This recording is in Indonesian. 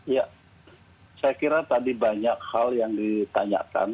ya saya kira tadi banyak hal yang ditanyakan